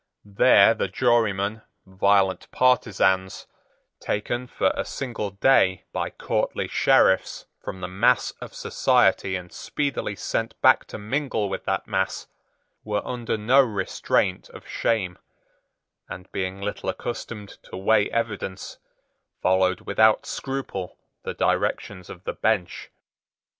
There the jurymen, violent partisans, taken for a single day by courtly Sheriffs from the mass of society and speedily sent back to mingle with that mass, were under no restraint of shame, and being little accustomed to weigh evidence, followed without scruple the directions of the bench.